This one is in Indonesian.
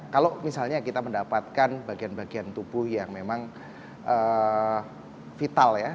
kalau misalnya kita mendapatkan bagian bagian tubuh yang memang vital ya